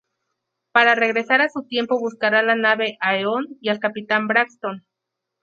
Para regresar a su tiempo, buscarán la nave Aeon y al capitán Braxton.